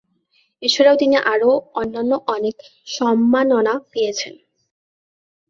এছাড়াও তিনি আরো অন্যান্য অনেক সম্মাননা পেয়েছেন।